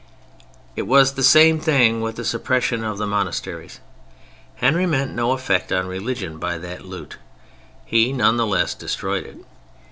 It was the same thing with the suppression of the monasteries. Henry meant no effect on religion by that loot: he, none the less, destroyed it.